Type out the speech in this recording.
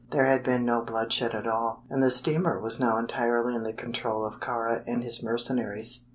There had been no bloodshed at all, and the steamer was now entirely in the control of Kāra and his mercenaries.